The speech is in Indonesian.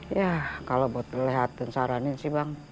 ya kalau buat lihat atun saranin sih bang